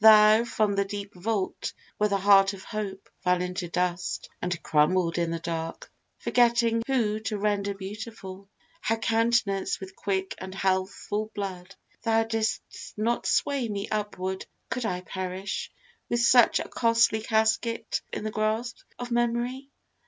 Tho' from the deep vault, where the heart of hope Fell into dust, and crumbled in the dark Forgetting who to render beautiful Her countenance with quick and healthful blood Thou didst not sway me upward, could I perish With such a costly casket in the grasp Of memory?